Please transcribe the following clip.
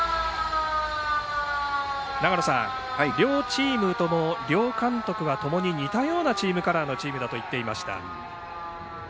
長野さん、両チームとも両監督は似たようなチームカラーのチームだと言っていました。